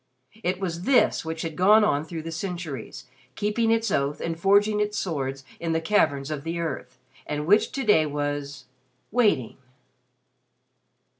It was this which had gone on through centuries, keeping its oath and forging its swords in the caverns of the earth, and which to day was waiting.